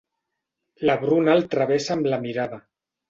La Bruna el travessa amb la mirada.